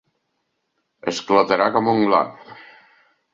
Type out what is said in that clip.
Esclatarà com un gla.